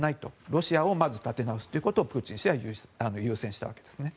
ロシアをまず立て直すことをプーチン氏は優先したんですね。